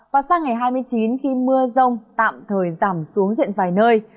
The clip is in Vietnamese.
và sang ngày hai mươi chín khi mưa rông tạm thời giảm xuống diện vài nơi